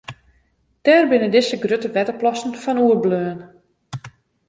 Dêr binne dizze grutte wetterplassen fan oerbleaun.